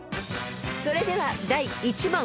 ［それでは第１問］